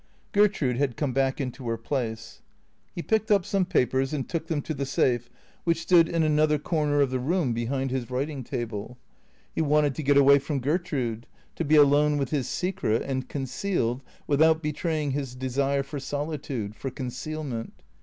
Gertrude had come back into her place. He picked up some papers and took them to the safe which stood in another corner of the room behind his writing table. He wanted to get away from Gertrude, to be alone with his secret and concealed, without betraying his desire for solitude, for concealment.